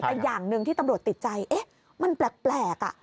แต่อย่างหนึ่งที่ตำรวจติดใจมันแปลก